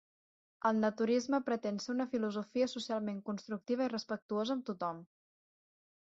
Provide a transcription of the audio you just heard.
El naturisme pretén ser una filosofia socialment constructiva i respectuosa amb tothom.